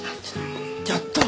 ちょっと！